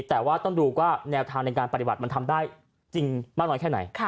แต่ว่าต้องดูว่าแนวทางในการปฏิบัติมันทำได้จริงมากน้อยแค่ไหน